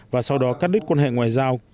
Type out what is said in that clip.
và sau đó cắt đứt quan hệ ngoại giao